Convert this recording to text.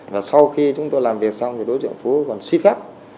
và sau khi chúng tôi làm việc xong thì đối tượng phú còn suy phép